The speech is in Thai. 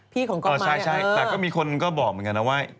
ของกรใช่แต่ก็มีคนก็บอกเหมือนกันนะว่า